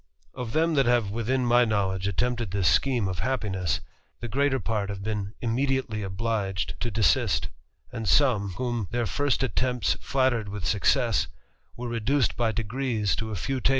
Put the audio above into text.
Of them that have within my knowledge attempted this scheme of happiness, the greater part have been immediately obliged to desist; and some, whom their first attempts flattered with success, were reduced by degrees to a few THE RAMBLER.